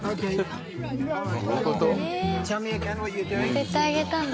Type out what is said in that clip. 乗せてあげたんだ。